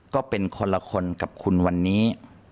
ก็เป็นคนละคนกับคุณวันนี้